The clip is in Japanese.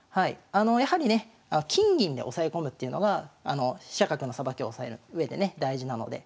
やはりね金銀で押さえ込むっていうのが飛車角のさばきを押さえるうえでね大事なので。